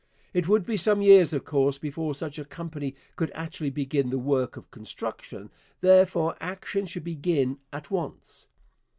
It would be some years, of course, before such a company could actually begin the work of construction; therefore action should begin at once.